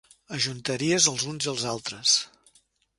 Ajuntaries els uns i els altres.